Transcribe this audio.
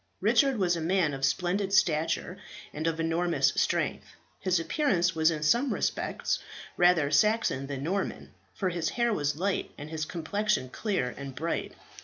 Richard was a man of splendid stature and of enormous strength. His appearance was in some respects rather Saxon than Norman, for his hair was light and his complexion clear and bright.